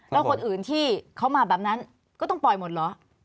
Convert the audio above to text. แล้วคนอื่นที่เขามาแบบนั้นก็ต้องปล่อยหมดเหรอ